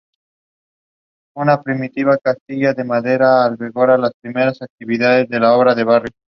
Integró la Selección de Extranjeros del fútbol mexicano.